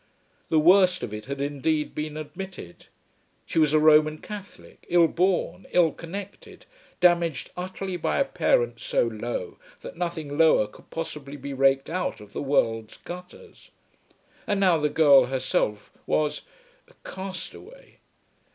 The worst of it had indeed been admitted. She was a Roman Catholic, ill born, ill connected, damaged utterly by a parent so low that nothing lower could possibly be raked out of the world's gutters. And now the girl herself was a castaway.